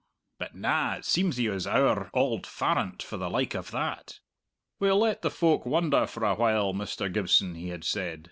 But na; it seems he was owre auld farrant for the like of that. 'We'll let the folk wonder for a while, Mr. Gibson,' he had said.